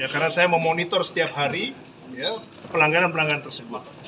karena saya memonitor setiap hari pelanggaran pelanggaran tersebut